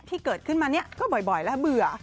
ที่เกิดขึ้นมาเนี่ยก็บ่อยแล้วเบื่อ